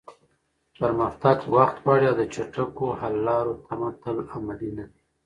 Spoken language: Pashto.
پرمختګ وخت غواړي او د چټکو حل لارو تمه تل عملي نه وي.